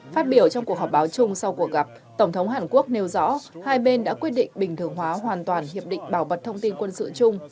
phát biểu trong cuộc họp báo chung sau cuộc gặp tổng thống hàn quốc nêu rõ hai bên đã quyết định bình thường hóa hoàn toàn hiệp định bảo mật thông tin quân sự chung